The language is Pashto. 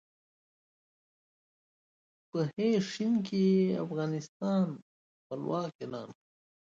په ه ش کې یې افغانستان خپلواک اعلان کړ.